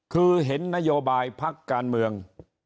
คือเห็นนโยบายพักการเมือง